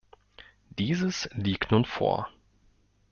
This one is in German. Dieses liegt nun vor.